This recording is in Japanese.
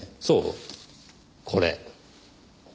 そうこれ。